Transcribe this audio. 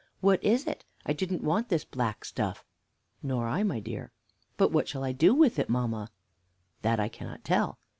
What is it? I didn't want this black stuff." "Nor I, my dear." "But what shall I do with it, mamma?" "That I cannot tell."